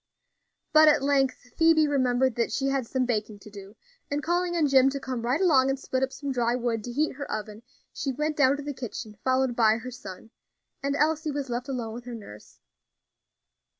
But at length Phoebe remembered that she had some baking to do, and calling on Jim to come right along and split up some dry wood to heat her oven, she went down to the kitchen followed by her son, and Elsie was left alone with her nurse.